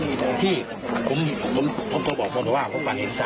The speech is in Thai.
เห็นไหมพี่โอ้ยผมก็ไม่คิดว่าหินก้อนนี้เลยใช่ไหมคะ